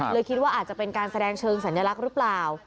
คิดว่าอาจจะเป็นการแสดงเชิงสัญลักษณ์หรือเปล่า